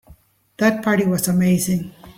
That party was amazing.